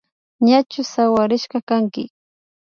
Ñachu sawarishka kanki